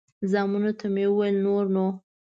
زامنو ته مې وویل نور نو.